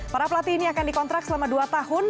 para pelatih ini akan dikontrak selama dua tahun